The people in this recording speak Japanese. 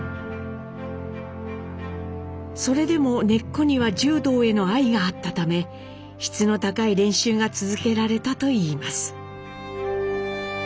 それでも根っこには柔道への愛があったため質の高い練習が続けられたといいます。